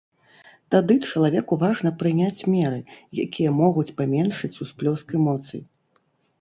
Тады чалавеку важна прыняць меры, якія могуць паменшыць усплёск эмоцый.